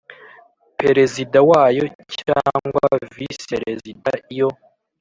Perezida Wayo Cyangwa Visi Perezida Iyo